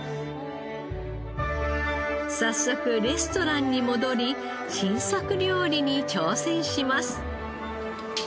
早速レストランに戻り新作料理に挑戦します。